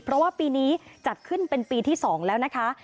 เพราะว่าปีนี้จัดขึ้นเป็นปีที่๒แล้วนะคะ